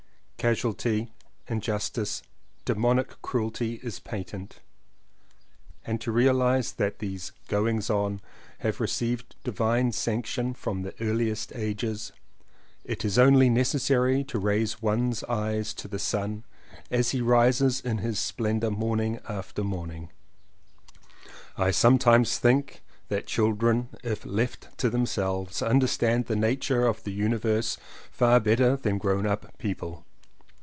Casualty, injustice, demoniac cruelty is patent: and to realize that these "goings on" have received divine sanction from the earliest ages it is only necessary to raise one's eyes to the sun as he rises in his splendour morning after morning. 182 LLEWELLYN POWYS I sometimes think that children if left to themselves understand the nature of the universe far better than grown up people.